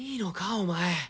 お前。